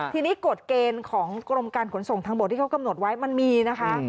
ทีนี้กฎเกณฑ์ของกรมการขนส่งทางบกที่เขากำหนดไว้มันมีนะคะ